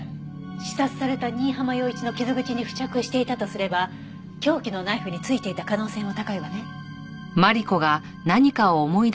刺殺された新浜陽一の傷口に付着していたとすれば凶器のナイフに付いていた可能性も高いわね。